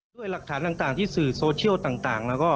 ด้วยหลักฐานต่างที่สื่อโซเชียลต่างแล้วก็